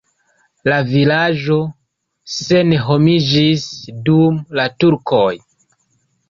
La vilaĝo senhomiĝis dum la turkoj.